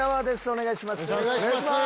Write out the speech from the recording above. お願いします。